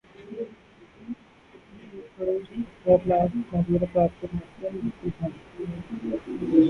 ایک کڑوڑ ستر لاکھ معذور افراد کو معاشرے نے بلکل دھتکارا ہوا ہے بہت افسوس کی بات ہے